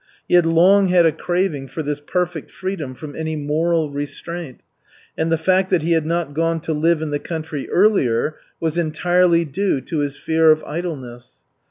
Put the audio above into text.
He had long had a craving for this perfect freedom from any moral restraint, and the fact that he had not gone to live in the country earlier was entirely due to his fear of idleness.